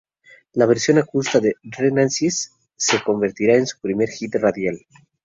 La versión acústica de "Renaissance" se convertiría en su primer hit radial.